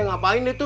ngapain dia tuh